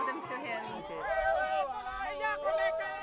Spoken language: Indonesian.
mengambil beberapa gambar untuk menunjukkan kepadanya